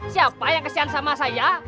siapa yang kasihan sama saya